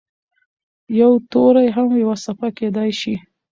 یو توری هم یوه څپه کېدای شي.